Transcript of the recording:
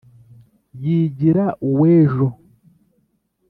Yigira uw'ejo